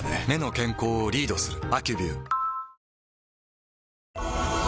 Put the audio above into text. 目の健康をリードする「アキュビュー」